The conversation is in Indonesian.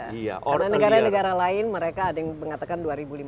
karena negara negara lain mereka ada yang mengatakan dua ribu lima puluh